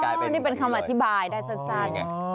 นี่เป็นคำอธิบายได้สั้น